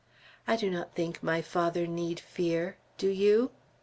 I do not think my father need fear, do you?"